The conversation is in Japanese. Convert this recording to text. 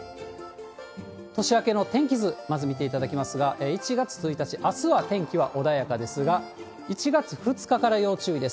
年明けの天気図、まず見ていただきますが、１月１日・あすは天気は穏やかですが、１月２日から要注意です。